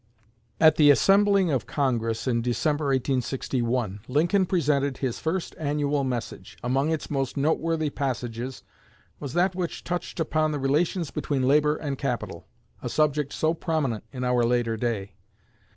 At the assembling of Congress in December, 1861, Lincoln presented his first Annual Message. Among its most noteworthy passages was that which touched upon the relations between labor and capital a subject so prominent in our later day.